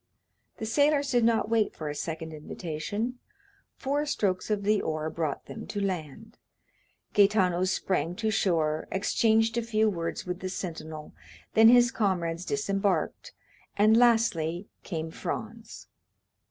The sailors did not wait for a second invitation; four strokes of the oar brought them to land; Gaetano sprang to shore, exchanged a few words with the sentinel, then his comrades disembarked, and lastly came Franz.